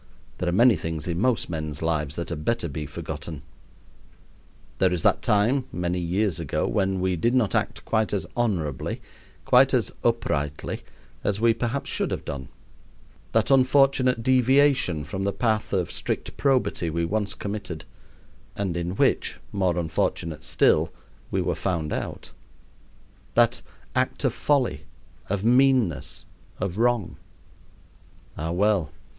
There are many things in most men's lives that had better be forgotten. There is that time, many years ago, when we did not act quite as honorably, quite as uprightly, as we perhaps should have done that unfortunate deviation from the path of strict probity we once committed, and in which, more unfortunate still, we were found out that act of folly, of meanness, of wrong. Ah, well!